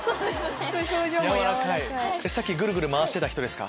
やわらかいさっきぐるぐる回してた人ですか？